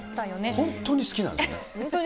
本当に好きなんですね。